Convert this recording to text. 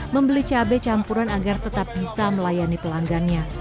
membeli cabai campuran agar tetap bisa melayani pelanggannya